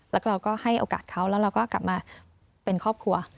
แล้วเราก็ให้โอกาสเขาแล้วเราก็กลับมาเป็นครอบครัว